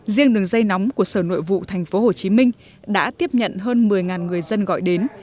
riêng đường dây nóng của sở nội vụ tp hcm đã tiếp nhận hơn một mươi người dân gọi đến